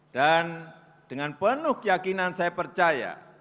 dan dengan penuh keyakinan saya percaya